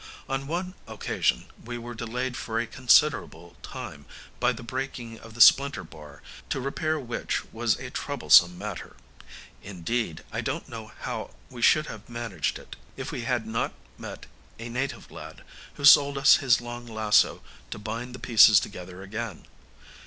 On one occasion we were delayed for a considerable time by the breaking of the splinter bar, to repair which was a troublesome matter; indeed, I don't know how we should have managed it if we had not met a native lad, who sold us his long lasso to bind the pieces together again.